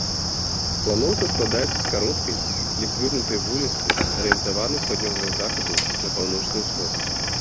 Планоўка складаецца з кароткай, ледзь выгнутай вуліцы, арыентаванай з паўднёвага захаду на паўночны ўсход.